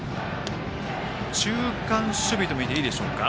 中間守備と見て、いいでしょうか。